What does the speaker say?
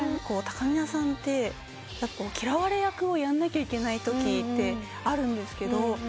たかみなさんって嫌われ役をやんなきゃいけないときってあるんですけど。